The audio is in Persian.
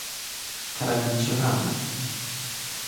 ترند شدن